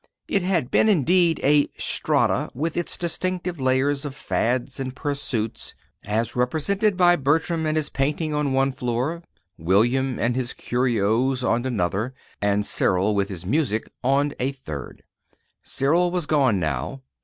It had been, indeed, a "strata," with its distinctive layers of fads and pursuits as represented by Bertram and his painting on one floor, William and his curios on another, and Cyril with his music on a third. Cyril was gone now.